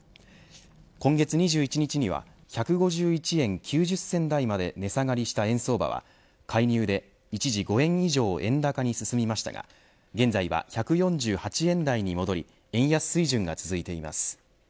今月２１日には１５１円９０銭台まで値下がりした円相場は介入で一時５円以上円高に進みましたが現在は１４８円台に戻り円安水準が続いています。